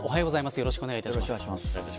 よろしくお願いします。